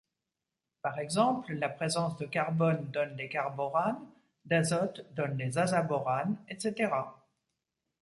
Par exemple, la présence de carbone donne les carboranes, d'azote donne les azaboranes, etc.